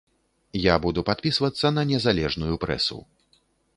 Я буду падпісвацца на незалежную прэсу.